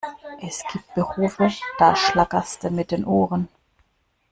Es gibt Berufe, da schlackerste mit den Ohren!